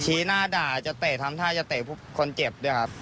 หน้าด่าจะเตะทำท่าจะเตะคนเจ็บด้วยครับ